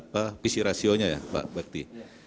pc ratio nya ya pak bakti